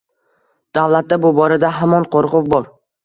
Davlatda bu borada hamon qo‘rquv bor.